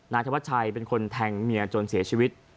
ธวัชชัยเป็นคนแทงเมียจนเสียชีวิต